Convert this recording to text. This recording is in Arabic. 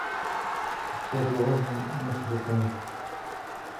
فَأَتْبَعُوهُمْ مُشْرِقِينَ